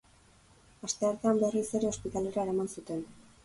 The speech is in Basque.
Asteartean berriz ere ospitalera eraman zuten.